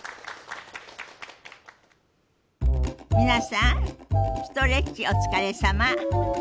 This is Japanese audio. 皆さんストレッチお疲れさま。